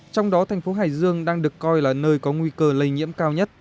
trong đó thành phố hải dương đang được coi là nơi có nguy cơ lây nhiễm cao nhất